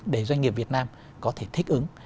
để doanh nghiệp việt nam có thể thích ứng